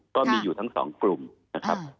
ก็มีอยู่ทั้งสองกลุ่มนะครับ